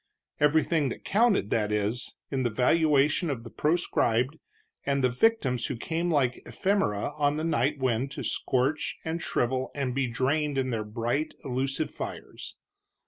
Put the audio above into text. Everything that counted, that is, in the valuation of the proscribed, and the victims who came like ephemera on the night wind to scorch and shrivel and be drained in their bright, illusive fires.